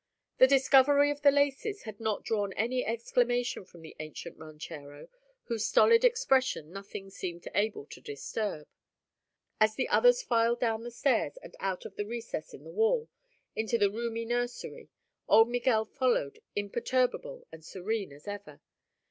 The discovery of the laces had not drawn any exclamation from the ancient ranchero, whose stolid expression nothing seemed able to disturb. As the others filed down the stairs and out of the recess in the wall, into the roomy nursery, old Miguel followed imperturbable and serene as ever.